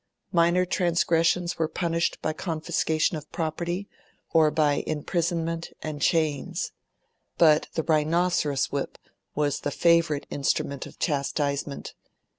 Minor transgressions were punished by confiscation of property or by imprisonment and chains. But the rhinoceros whip was the favourite instrument of chastisement.